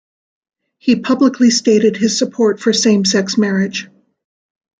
He publicly stated his support for same-sex marriage.